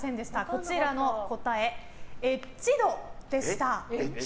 こちらの答えは、Ｈ度でした。